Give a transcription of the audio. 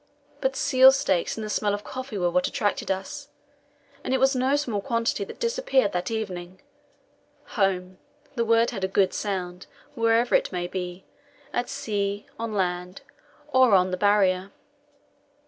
But seal steaks and the smell of coffee were what attracted us, and it was no small quantity that disappeared that evening. Home! that word has a good sound, wherever it may be, at sea, on land, or on the Barrier.